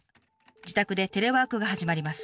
自宅でテレワークが始まります。